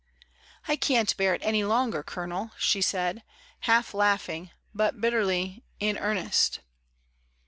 "I can't bear it any longer, Colonel," she said, half laughing, but bitterly in earnest.